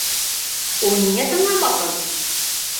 Ул ниңә тыңламаһын!